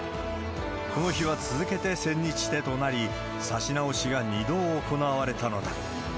この日は続けて千日手となり、指し直しが２度行われたのだ。